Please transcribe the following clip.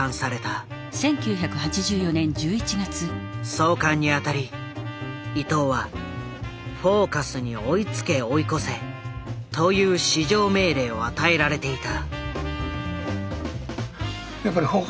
創刊にあたり伊藤は「フォーカス」に追いつけ追い越せという至上命令を与えられていた。